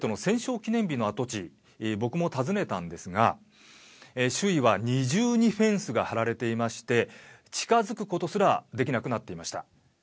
記念日の跡地僕も訪ねたんですが周囲は二重にフェンスが張られていまして近づくことすらできなくなっていました。